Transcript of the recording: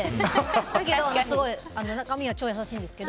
だけど中身は超優しいんですけど。